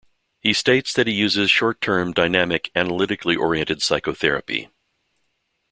He states that he uses short-term, dynamic, analytically oriented psychotherapy.